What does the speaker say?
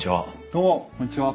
どうもこんにちは。